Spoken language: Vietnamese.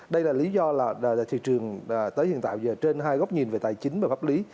đây là lý do là thị trường tới hiện tại giờ trên hai góc nhìn về tài chính và pháp lý